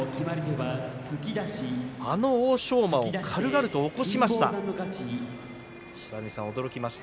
あの欧勝馬を軽々と起こしました。